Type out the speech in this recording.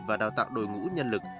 và đào tạo đội ngũ nhân lực